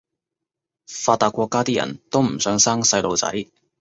發達國家啲人都唔想生細路仔